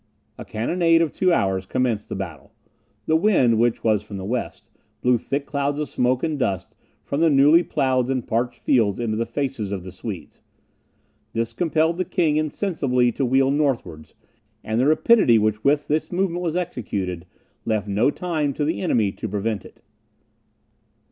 A cannonade of two hours commenced the battle; the wind, which was from the west, blew thick clouds of smoke and dust from the newly ploughed and parched fields into the faces of the Swedes. This compelled the king insensibly to wheel northwards, and the rapidity with which this movement was executed left no time to the enemy to prevent it.